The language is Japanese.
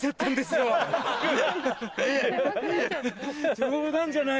冗談じゃない。